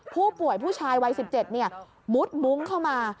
ผู้ป่วยผู้ชายวัย๑๗มุดมุ้งเข้ามา